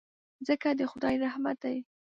مځکه د خدای رحمت دی.